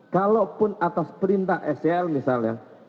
kalaupun atas perintah sel misalnya